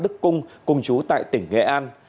cùng chú tại tỉnh nghệ an